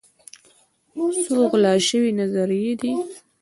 څو غلا شوي نظريې دي